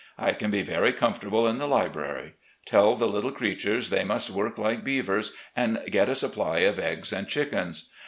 I can be very comfortable in the library. Tell the little creatures they must work like beavers and get a supply of eggs and chickens.